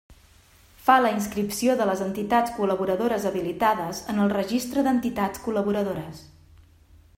Fa la inscripció de les entitats col·laboradores habilitades en el Registre d'entitats col·laboradores.